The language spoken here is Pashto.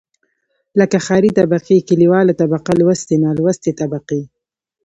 لکه ښاري طبقې، کليواله طبقه لوستې، نالوستې طبقې.